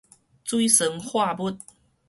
水酸化物